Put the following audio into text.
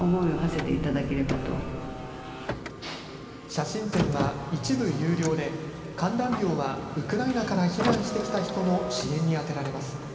写真展は一部有料で観覧料はウクライナから避難してきた人の支援に充てられます。